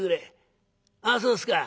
「ああそうですか」。